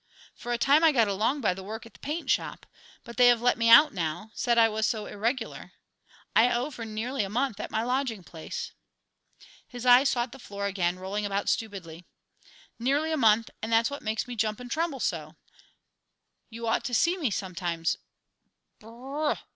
For a time I got along by the work at the paint shop. But they have let me out now; said I was so irregular. I owe for nearly a month at my lodging place." His eyes sought the floor again, rolling about stupidly. "Nearly a month, and that's what makes me jump and tremble so. You ought to see me sometimes _b r r r h!